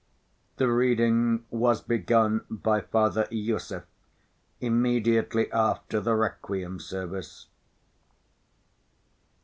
The reading was begun by Father Iosif immediately after the requiem service.